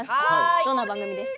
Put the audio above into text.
どんな番組ですか？